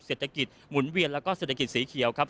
เศรษฐกิจหมุนเวียนแล้วก็เศรษฐกิจสีเขียวครับ